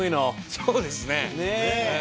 そうですねええ。